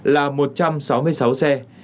là một trăm sáu mươi sáu xe